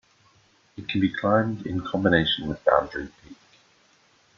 It can be climbed in combination with Boundary Peak.